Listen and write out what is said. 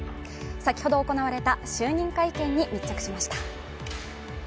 先ほど行われた就任会見に密着しました。